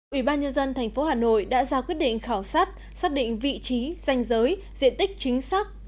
ủy ban nhân dân tp hà nội đã ra quyết định khảo sát xác định vị trí danh giới diện tích chính xác